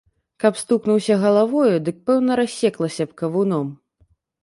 Каб стукнуўся галавою, дык пэўна рассеклася б кавуном.